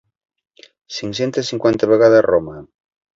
Cinc-centes cinquanta vegades Roma.